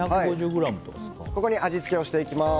ここに味付けをしていきます。